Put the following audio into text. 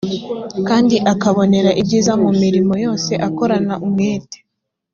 kandi akabonera ibyiza mu mirimo yose akorana umwete.